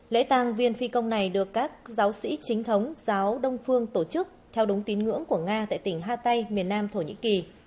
lễ tàng viên phi công này được các giáo sĩ chính thống giáo đông phương tổ chức theo đúng tín ngưỡng của nga tại tỉnh hatay miền nam thổ nhĩ kỳ